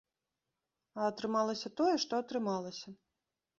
А атрымалася тое, што атрымалася.